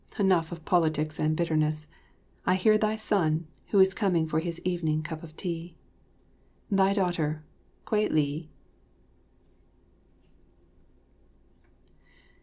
Enough of politics and bitterness! I hear thy son, who is coming for his evening cup of tea. Thy daughter, Kwei li.